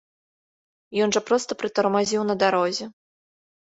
Ён жа проста прытармазіў на дарозе.